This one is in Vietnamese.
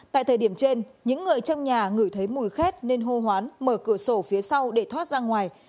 tại thời điểm trên những người trong nhà ngửi thấy mùi khét nên hô hoán mở cửa sổ phía sau để thoát ra ngoài